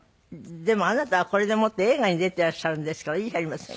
でもあなたはこれでもって映画に出ていらっしゃるんですからいいじゃありませんか。